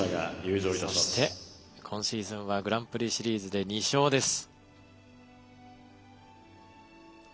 今シーズンはグランプリシリーズで２勝です。